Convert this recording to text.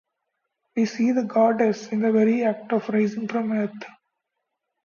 We see the goddess in the very act of rising from the earth.